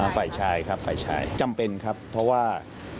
ฝ่ายชายครับฝ่ายชายจำเป็นครับเพราะว่า